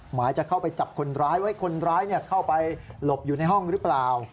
หมายจะเข้าไปจับคนร้ายไว้คนร้ายเข้าไปหลบอยู่ในห้องหรือเปล่า